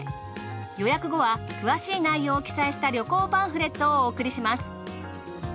予約後は詳しい内容を記載した旅行パンフレットをお送りします。